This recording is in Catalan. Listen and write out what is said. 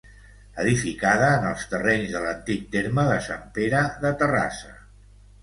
Edificada en els terrenys de l'antic terme de Sant Pere de Terrassa.